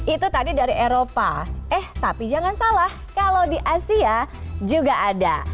itu tadi dari eropa eh tapi jangan salah kalau di asia juga ada